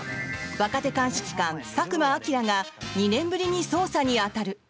若手鑑識官・佐久間朗が２年ぶりに捜査に当たる。